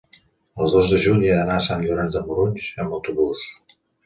el dos de juny he d'anar a Sant Llorenç de Morunys amb autobús.